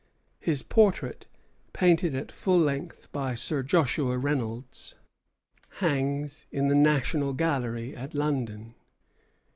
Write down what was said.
His portrait, painted at full length by Sir Joshua Reynolds, hangs in the National Gallery at London.